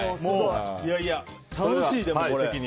楽しい、でも。